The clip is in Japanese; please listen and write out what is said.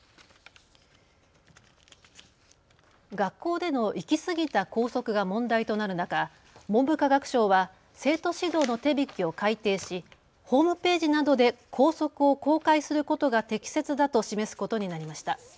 学校での行きすぎた校則が問題となる中、文部科学省は生徒指導の手引を改訂しホームページなどで校則を公開することが適切だと示すことになりました。